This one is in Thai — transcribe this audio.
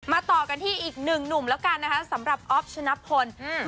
ต่อกันที่อีกหนึ่งหนุ่มแล้วกันนะคะสำหรับอ๊อฟชนะพลอืม